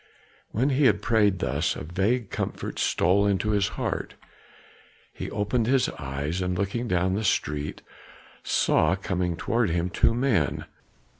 When he had prayed thus, a vague comfort stole into his heart; he opened his eyes and looking down the street, saw coming toward him two men.